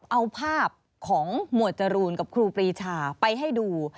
เอาภาพของหมวดจรูนกับครูปรีชาไปให้ดู